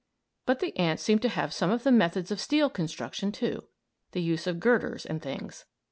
But the ants seem to have some of the methods of steel construction, too; the use of girders and things.